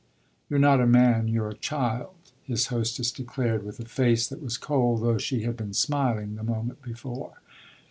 "You're not a man you're a child," his hostess declared with a face that was cold, though she had been smiling the moment before.